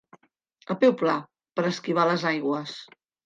A peu pla, per esquivar les aigües.